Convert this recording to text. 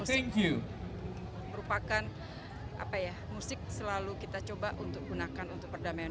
jadi berartikan kami rotates pada suatu perjalanan